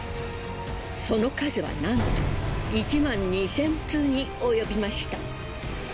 その数はなんと１２，０００通に及びました。